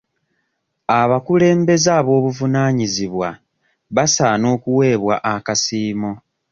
Abakulembeze ab'obuvunaanyizibwa basaana okuweebwa akasiimo.